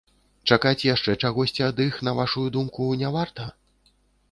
Чакаць яшчэ чагосьці ад іх, на вашую думку, не варта?